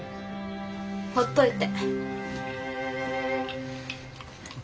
ほっといて。